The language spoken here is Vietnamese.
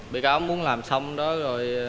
bị cáo muốn làm xong đó rồi